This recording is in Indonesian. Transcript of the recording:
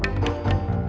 terima kasih banyak